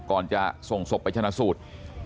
ก่อนจะส่งศพไปชนะสูตร